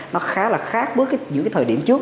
nó khá là khác với những thời điểm trước